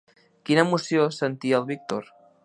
Quina emoció sentia el Víctor?